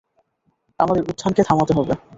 আমাদের উত্থানকে থামাতে হবে।